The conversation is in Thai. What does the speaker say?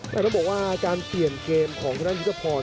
แต่ต้องบอกว่าการเปลี่ยนเกมของทางด้านยุทธพร